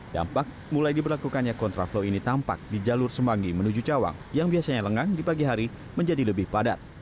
dampak mulai diberlakukannya kontraflow ini tampak di jalur semanggi menuju cawang yang biasanya lengang di pagi hari menjadi lebih padat